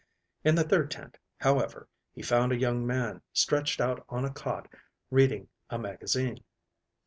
In the third tent, however, he found a young man, stretched out on a cot reading a magazine.